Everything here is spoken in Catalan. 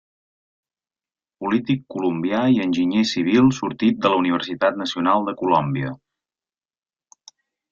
Polític colombià i enginyer civil sortit de la Universitat Nacional de Colòmbia.